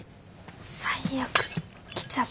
最悪きちゃった。